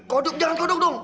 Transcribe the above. kodok jangan kodok dong